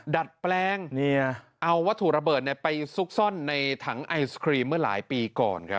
ดัดแปลงเอาวัตถุระเบิดไปซุกซ่อนในถังไอศครีมเมื่อหลายปีก่อน